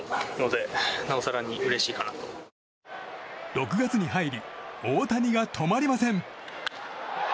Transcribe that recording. ６月に入り大谷が止まりません。